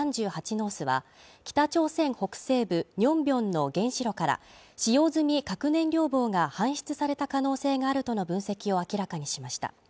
ノースは北朝鮮北西部ニョンビョンの原子炉から使用済み核燃料棒が搬出された可能性があるとの分析を明らかにしました。